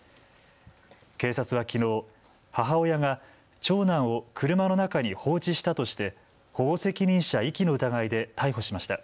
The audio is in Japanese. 警察はきのう、母親が長男を車の中に放置したとして保護責任者遺棄の疑いで逮捕しました。